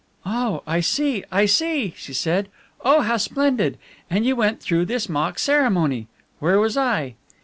"Oh, I see, I see," she said. "Oh, how splendid! And you went through this mock ceremony! Where was I?"